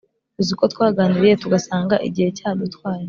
uziko twaganiriye tugasanga igihe cya dutwaye